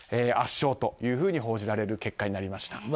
圧勝というふうに報じられる結果となりました。